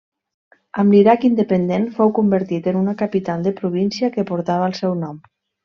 Amb l'Iraq independent fou convertit en una capital de província que portava el seu nom.